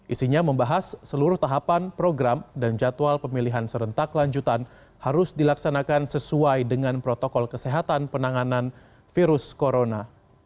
isinya membahas seluruh tahapan program dan jadwal pemilihan serentak lanjutan harus dilaksanakan sesuai dengan protokol kesehatan penanganan virus corona